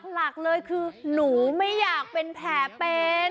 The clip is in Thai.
หลักเลยคือหนูไม่อยากเป็นแผลเป็น